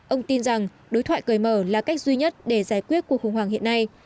ông tin rằng đối thoại cởi mở là cách duy nhất để giải quyết cuộc khủng hoảng hiện nay